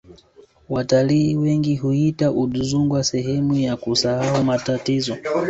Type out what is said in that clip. watalii wengi huiita udzungwa sehemu ya kusahau matatizo